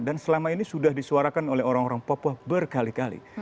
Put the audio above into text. dan selama ini sudah disuarakan oleh orang orang papua berkali kali